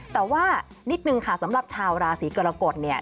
แต่ว่านิดนึงค่ะสำหรับชาวราศีกรกฎเนี่ย